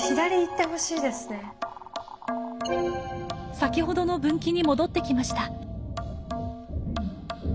先ほどの分岐に戻ってきました。